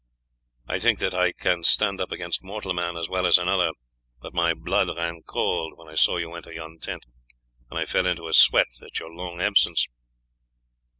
I think that I can stand up against mortal man as well as another, but my blood ran cold when I saw you enter yon tent, and I fell into a sweat at your long absence."